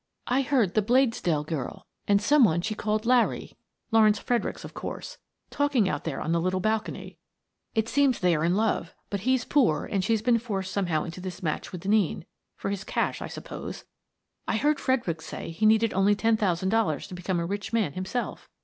I heard the Bladesdell girl and some one she called ' Larry* — Lawrence Fredericks, of course, — talking out there on the little balcony. It seems 37 38 Miss Frances Baird, Detective they're in love, but he's poor and she's been forced somehow into this match with Denneen — for his cash, I suppose. I heard Fredericks say he needed only ten thousand dollars to become a rich man him self.